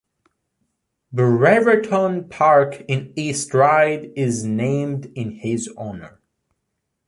Brereton Park in East Ryde is named in his honour.